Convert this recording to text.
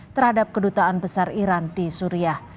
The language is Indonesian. terhadap kedutaan besar iran di suriah